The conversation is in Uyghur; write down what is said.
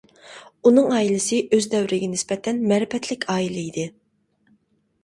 ئۇنىڭ ئائىلىسى ئۆز دەۋرىگە نىسبەتەن مەرىپەتلىك ئائىلە ئىدى.